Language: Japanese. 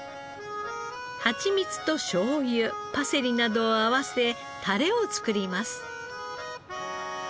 ハチミツとしょうゆパセリなどを合わせタレを作ります。